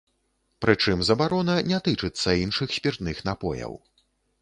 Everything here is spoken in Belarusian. Прычым забарона не тычыцца іншых спіртных напояў.